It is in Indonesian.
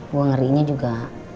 gue ngeri nya juga